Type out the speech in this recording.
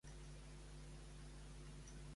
Qui és el dirigent de Podem a València?